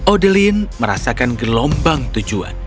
odeline merasakan gelombang tujuan